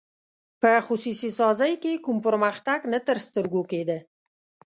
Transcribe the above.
په خصوصي سازۍ کې کوم پرمختګ نه تر سترګو کېده.